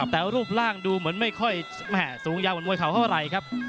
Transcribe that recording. แต่รูปร่างดูเหมือนไม่ค่อยสูงยาวเหมือนมวยเขาเท่าไหร่ครับ